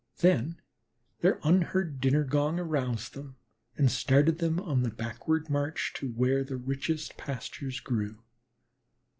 Then their unheard dinner gong aroused them, and started them on the backward march to where the richest pastures grew.